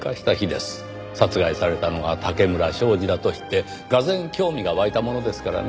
殺害されたのが竹村彰二だと知ってがぜん興味が湧いたものですからね。